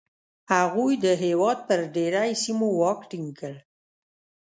هغوی د هېواد پر ډېری سیمو واک ټینګ کړ